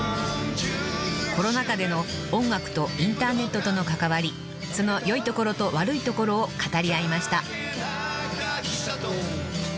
［コロナ禍での音楽とインターネットとの関わりその良いところと悪いところを語り合いました］